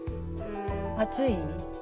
暑い？